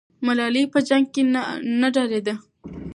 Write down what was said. ملالۍ په جنګ کې نه ډارېده.